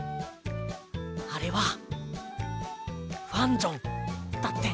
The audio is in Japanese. あれは「ファンジョン」だって。